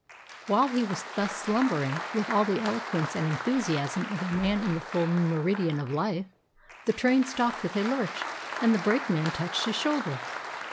While he was thus slumbering, with all the eloquence and enthusiasm of a man in the full meridian of life, the train stopped with a lurch, and the brakeman touched his shoulder.